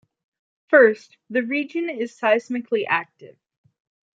First, the region is seismically active.